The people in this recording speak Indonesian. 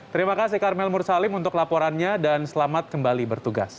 terima kasih karmel mursalim untuk laporannya dan selamat kembali bertugas